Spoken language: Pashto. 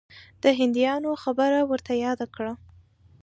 د هندیانو خبره ورته یاده کړه.